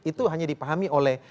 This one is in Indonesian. itu hanya dipahami oleh